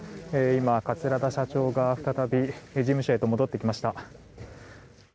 今、桂田社長が再び事務所へと戻ってきました。